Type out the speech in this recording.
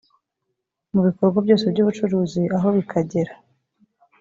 mu bikorwa byose by ubucuruzi aho bikagera